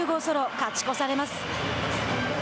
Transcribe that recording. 勝ち越されます。